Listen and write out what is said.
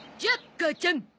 母ちゃん。